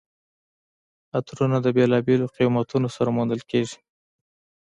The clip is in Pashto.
عطرونه د بېلابېلو قیمتونو سره موندل کیږي.